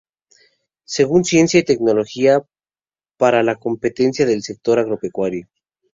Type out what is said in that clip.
Según Ciencia y Tecnología para la competencia del sector Agropecuario.